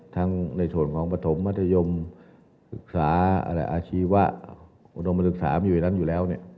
ในส่วนของปฐมมัธยมศึกษาอาชีวะอุดมศึกษามันอยู่ในนั้นอยู่แล้ว